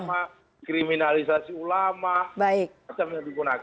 penulisan agama kriminalisasi ulama macam macam yang digunakan